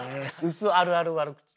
薄あるある悪口。